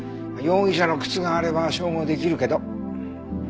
容疑者の靴があれば照合できるけど。